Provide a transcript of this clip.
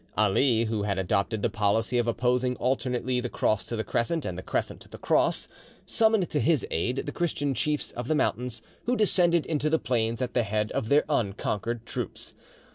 Ali, who had adopted the policy of opposing alternately the Cross to the Crescent and the Crescent to the Cross, summoned to his aid the Christian chiefs of the mountains, who descended into the plains at the head of their unconquered troops.